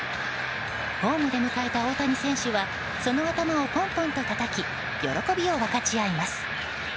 ホームで迎えた大谷選手はその頭をポンポンとたたき喜びを分かち合います。